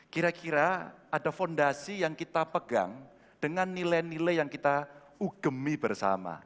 kira kira ada fondasi yang kita pegang dengan nilai nilai yang kita ugemi bersama